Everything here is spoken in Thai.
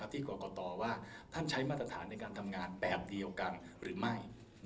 ที่กรกตว่าท่านใช้มาตรฐานในการทำงานแบบเดียวกันหรือไม่